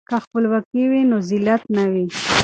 که خپلواکي وي نو ذلت نه وي.